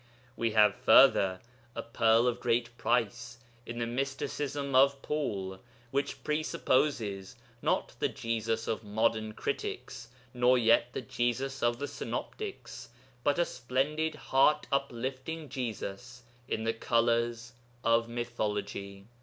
We have further a pearl of great price in the mysticism of Paul, which presupposes, not the Jesus of modern critics, nor yet the Jesus of the Synoptics, but a splendid heart uplifting Jesus in the colours of mythology.